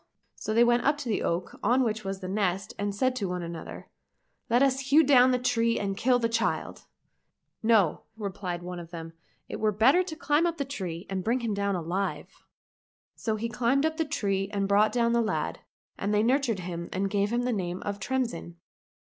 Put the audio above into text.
so they went up to the oak on which was the nest and said one to another, " Let us hew down the tree and kill the child !"—" No," replied one of them, " it were better to climb up the tree and bring him down alive." So he climbed up the tree and brought down the lad, and they nurtured him and gave him the name of Tremsin.